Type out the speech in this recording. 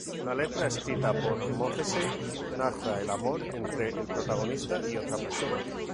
La letra, escrita por Morrissey, narra el amor entre el protagonista y otra persona.